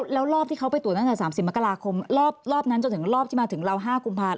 แล้วรอบที่เขาไปตรวจตั้งแต่๓๐มกราคมรอบนั้นจนถึงรอบที่มาถึงเรา๕กุมภาพ